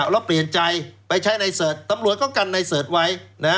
แล้วเปลี่ยนใจไปใช้ในเสิร์ชตำรวจก็กันในเสิร์ชไว้